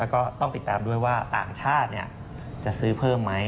แล้วก็ต้องติดตามด้วยว่าต่างชาติจะซื้อเพิ่มไหม